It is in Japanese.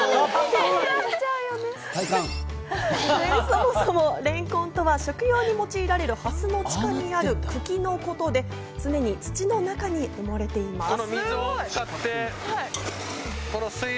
そもそも、れんこんとは食用に用いられる蓮の地下にある茎のことで、常に土の中に埋もれています。